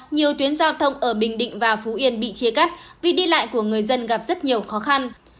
nhiều tuyến giao thông ở bình định và phú yên bị chia cắt vì đi lại của người dân gặp rất nhiều khó khăn